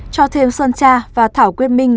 cho thêm sơn cha và thảo quyết minh